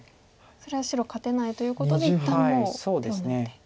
それは白勝てないということで一旦もう手を抜いて。